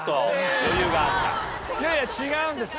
いやいや違うんです。